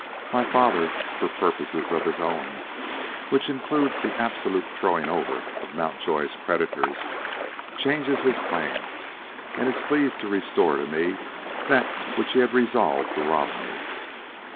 My father, for purposes of his own, which includes the absolute throwing over of Mountjoy's creditors, changes his plan, and is pleased to restore to me that of which he had resolved to rob me.